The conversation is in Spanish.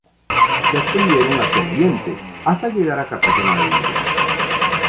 Se extendieron hacia al oriente, hasta llegar a Cartagena de Indias.